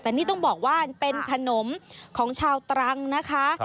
แต่นี่ต้องบอกว่าเป็นขนมของชาวตรังนะคะ